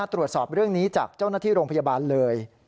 ตรวจสอบเรื่องนี้จากเจ้าหน้าที่โรงพยาบาลเลย